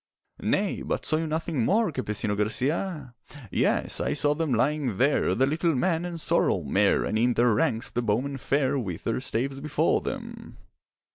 'Nay, but saw you nothing more, Campesino Garcia?' 'Yes, I saw them lying there, The little man and sorrel mare; And in their ranks the bowmen fair, With their staves before them.